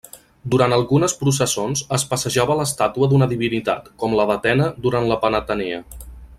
Durant algunes processons es passejava l'estàtua d'una divinitat, com la d'Atena durant la Panatenea.